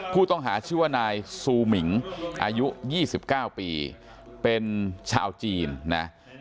ผู้ต้องหาชื่อว่านายซูมิงอายุ๒๙ปีเป็นชาวจีนนะ